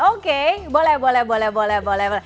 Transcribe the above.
oke boleh boleh boleh boleh boleh